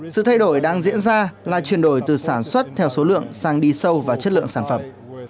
sự thay đổi đang diễn ra là chuyển đổi từ sản xuất theo số lượng sang đi sâu vào chất lượng sản phẩm